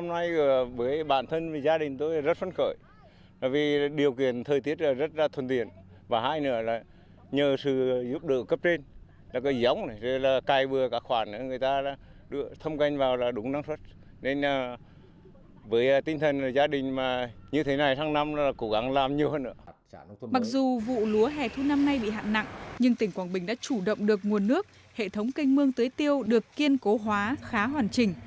mặc dù vụ lúa hẻ thu năm nay bị hạn nặng nhưng tỉnh quảng bình đã chủ động được nguồn nước hệ thống kênh mương tưới tiêu được kiên cố hóa khá hoàn chỉnh